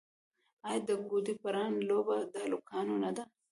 آیا د ګوډي پران لوبه د هلکانو نه ده؟